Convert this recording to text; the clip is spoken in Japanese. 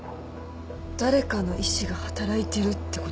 誰かの意思が働いてるってこと？